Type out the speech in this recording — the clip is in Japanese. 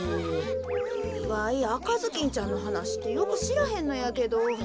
わいあかずきんちゃんのはなしってよくしらへんのやけど。